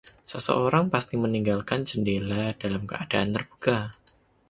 Seseorang pasti meninggalkan jendela dalam keadaan terbuka.